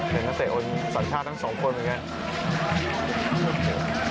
เป็นนักเตะโอนสัญชาติทั้งสองคนเหมือนกัน